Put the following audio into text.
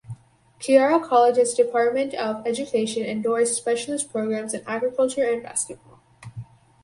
Kiara College has Department of Education endorsed specialist programs in agriculture and basketball.